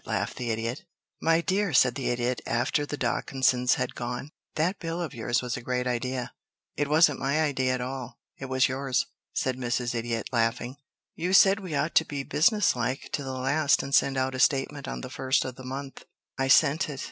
laughed the Idiot. "My dear," said the Idiot after the Dawkinses had gone, "that bill of yours was a great idea." "It wasn't my idea at all it was yours," said Mrs. Idiot, laughing. "You said we ought to be business like to the last and send out a statement on the first of the month. I sent it.